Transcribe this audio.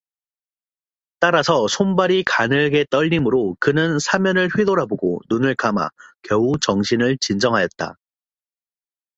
따라서 손발이 가늘게 떨리므로 그는 사면을 휘 돌아보고 눈을 감아 겨우 정신을 진정하였다.